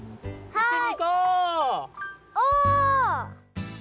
はい。